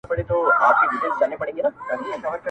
زړه قلا٫